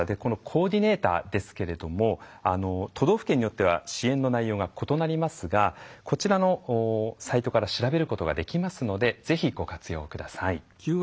コーディネーターですけれども都道府県によっては支援の内容が異なりますがこちらのサイトから調べることができますのでぜひご活用ください。